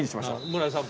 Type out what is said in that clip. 村井さん。